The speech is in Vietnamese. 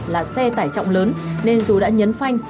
là xe tải trọng lớn nên dù đã nhấn phanh